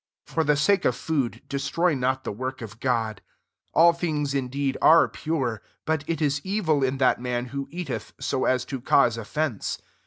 £0 For the sake ►f food, destroy not the work ^f God. All , things indeed are iure ; but it ia evil in that man rho eateth so as to cause of ence.